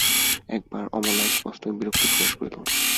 একবার অমলা স্পষ্টই বিরক্তি প্রকাশ করিল।